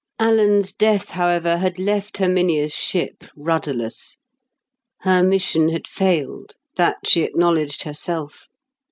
Alan's death, however, had left Herminia's ship rudderless. Her mission had failed. That she acknowledged herself.